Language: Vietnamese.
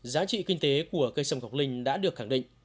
giá trị kinh tế của cây sâm ngọc linh đã được khẳng định